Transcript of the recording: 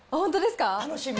楽しみ。